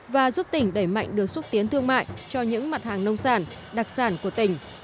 và giúp tỉnh đẩy mạnh được xúc tiến thương mại cho những mặt hàng nông sản đặc sản của tỉnh